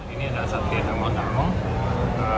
ini adalah sate danguang danguang